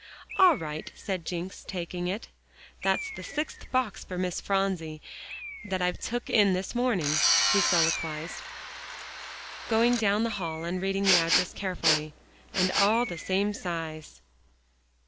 "All right," said Jencks, taking it. "That's the sixth box for Miss Phronsie that I've took in this morning," he soliloquized, going down the hall and reading the address carefully. "And all the same size."